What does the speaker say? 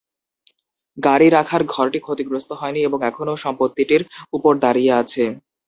গাড়ি রাখার ঘরটি ক্ষতিগ্রস্ত হয়নি এবং এখনও সম্পত্তিটির উপর দাঁড়িয়ে আছে।